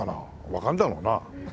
わかるだろうな。